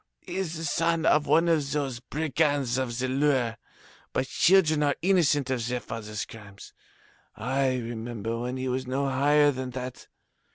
He is the son of one of those brigands of the Loire, but children are innocent of their fathers' crimes. I remember when he was no higher than that.